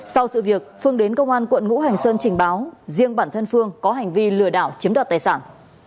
sau sự việc phương đến công an quận ngũ hành sơn trình báo riêng bản thân phương có hành vi lừa đảo chiếm đoạt tài sản